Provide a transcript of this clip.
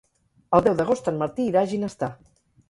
El deu d'agost en Martí irà a Ginestar.